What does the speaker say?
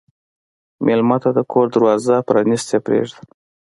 مېلمه ته د کور دروازه پرانستې پرېږده.